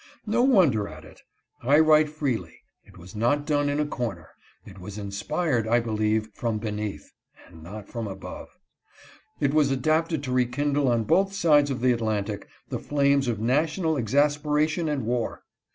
No wonder at it. I write freely. It was not donedn a corner. It was inspired, I believe, from beneath, and not from above. It was adapted to rekindle on both sides of the Atlantic the flames of national exasperation and war.